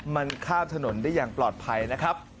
มันข้ามถนนได้อย่างปลอดภัยนะครับ